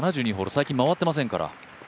最近、回ってませんから。